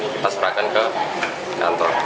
kita serahkan ke kantor